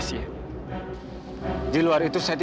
gue mau keluar dulu